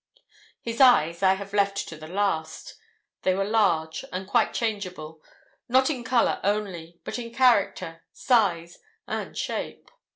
His eyes I have left to the last. They were large and quite changeable, not in colour only, but in character, size, and shape.